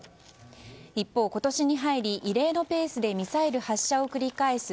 一方、今年に入り異例のペースでミサイル発射を繰り返す